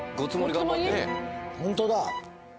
ホントだ。